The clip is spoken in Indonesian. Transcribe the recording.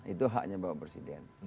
itu haknya bapak presiden